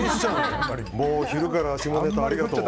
昼から下ネタありがとう。